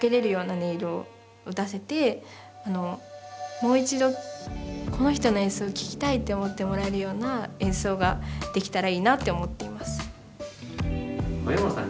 もう一度この人の演奏を聴きたいって思ってもらえるような演奏ができたらいいなって思っています。